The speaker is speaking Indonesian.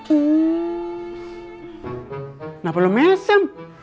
kenapa lo mesem